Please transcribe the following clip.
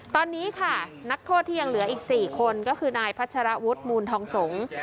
ตอนนี้ค่ะนักโทษที่ยังเหลืออีก๔คนก็คือนายพัชรวุฒิมูลทองสงฆ์